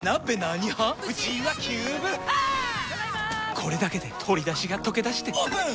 これだけで鶏だしがとけだしてオープン！